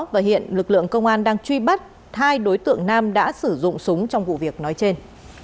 và hiện lực lượng công an đang truy bắt hai đối tượng nam đã sử dụng súng trong vụ việc nói trên